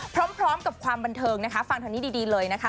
พร้อมกับความบันเทิงนะคะฟังทางนี้ดีเลยนะคะ